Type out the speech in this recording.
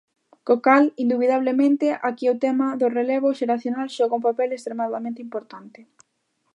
Co cal, indubidablemente, aquí o tema do relevo xeracional xoga un papel extremadamente importante.